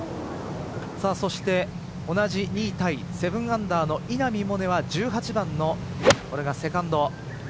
そして同じ２位タイ７アンダーの稲見萌寧は１８番のこれがセカンド。